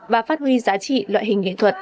và phát huy giá trị loại hình nghệ thuật